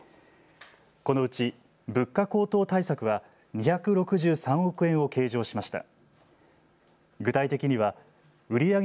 このうち物価高騰対策は２６３億円を計上しました。